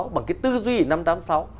bằng cái tư duy của năm tám mươi sáu